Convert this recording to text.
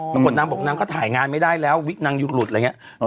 ปรากฏนางบอกนางก็ถ่ายงานไม่ได้แล้ววิกนางหยุดหลุดอะไรอย่างนี้